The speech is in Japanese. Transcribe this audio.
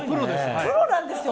プロなんですよ